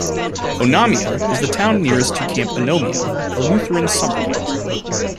Onamia is the town nearest to Camp Onomia, a Lutheran summer camp.